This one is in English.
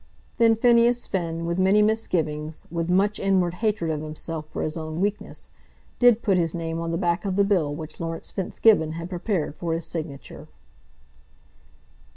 Then Phineas Finn with many misgivings, with much inward hatred of himself for his own weakness, did put his name on the back of the bill which Laurence Fitzgibbon had prepared for his signature.